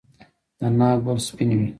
د ناک ګل سپین وي؟